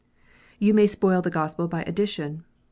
You may spoil the Gospel by addition.